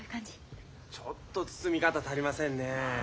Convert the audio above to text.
ちょっと包み方足りませんねえ。